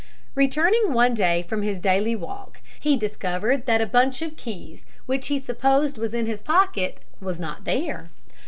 Returning one day from his daily walk, he discovered that a bunch of keys which he supposed was in his pocket was not there.